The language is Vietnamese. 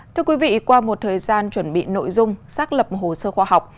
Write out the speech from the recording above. thưa quý vị qua một thời gian chuẩn bị nội dung xác lập hồ sơ khoa học